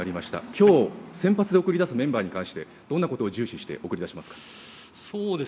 今日、先発で送り出すメンバーに関してどんなことを重視して送り出しますか？